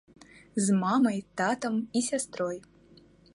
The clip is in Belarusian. З мамай, татам і сястрой.